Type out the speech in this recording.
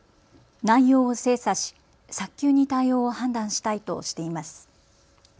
内容を精査し早急に対応を判断したいとしています。